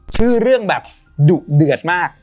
ชื่อเรื่องแบบดุเดือดมาก